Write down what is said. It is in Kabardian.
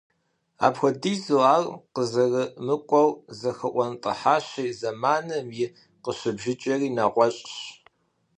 Апхуэдизу ар къызэрымыкIуэу зэхэIуэнтIыхьащи, зэманым и къыщыбжыкIэри нэгъуэщIщ.